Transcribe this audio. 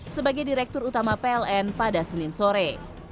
sebagai direktur utama pln pada senin sore